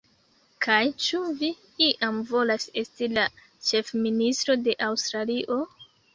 Kaj ĉu vi iam volas esti la ĉefministro de Aŭstralio?